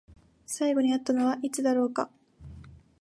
最後に会ったのはいつだろうか？